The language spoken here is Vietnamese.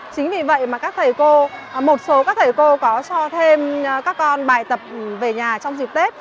chính vì vậy mà các thầy cô một số các thầy cô có cho thêm các con bài tập về nhà trong dịp tết